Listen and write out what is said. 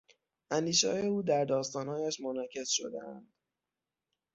اندیشههای او در داستانهایش منعکس شدهاند.